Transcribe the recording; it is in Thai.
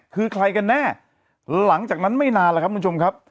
คือใครกันแน่หลังจากนั้นไม่นานแล้วครับคุณผู้ชมครับ